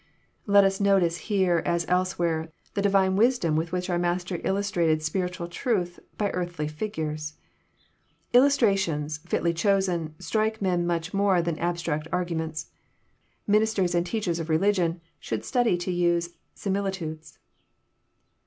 Let us notice here, as elsewhere, the Divine wisdom with which our Master illustrated spiritual truth by e&rthly figures. Illustrations, fitly chosen, strike men much more than abstract arguments. Ministers and teachers of religion should study to '* use similitudes."